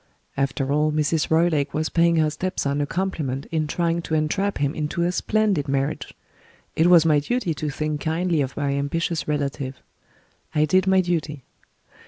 After all, Mrs. Roylake was paying her step son a compliment in trying to entrap him into a splendid marriage. It was my duty to think kindly of my ambitious relative. I did my duty.